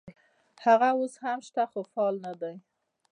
هغه اوس هم شته خو فعال نه دي.